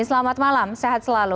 selamat malam sehat selalu